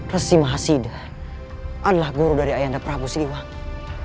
resi mahasida adalah guru dari ayanda prabu siliwangi